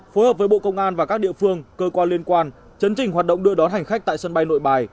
phối hợp với bộ công an và các địa phương cơ quan liên quan chấn trình hoạt động đưa đón hành khách tại sân bay nội bài